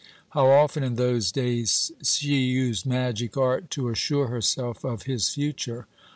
How often in those days she used magic art to assure herself of his future!